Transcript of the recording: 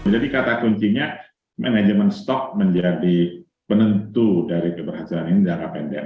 jadi kata kuncinya manajemen stok menjadi penentu dari keberhasilan ini jarak pendek